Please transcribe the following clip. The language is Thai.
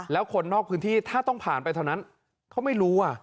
แล้วคนนอกพื้นที่ถ้าต้องผ่านไปเท่านั้นเขาไม่รู้